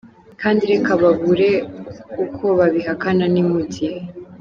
Kandi reka babure uko babihakana ni mu gihe.